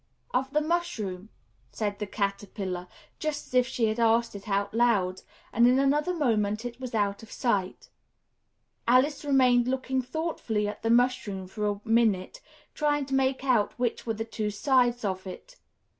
"Of the mushroom," said the Caterpillar, just as if she had asked it aloud; and in another moment, it was out of sight. Alice remained looking thoughtfully at the mushroom for a minute, trying to make out which were the two sides of it.